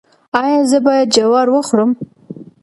ایا زه باید جوار وخورم؟